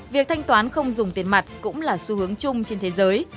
việc thanh toán không dùng tiền mặt cũng là xu hướng chung trên thế giới